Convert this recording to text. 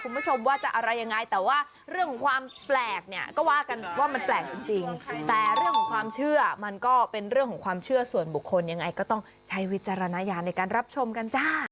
คุณผู้ชมว่าจะอะไรยังไงแต่เรื่องความแปลกนี่คงว่ากันว่ามันแปลกจริง